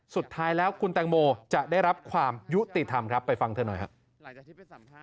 สุดท้ายแล้วคุณแตงโมจะได้รับความยุติธรรมครับไปฟังเธอหน่อยครับ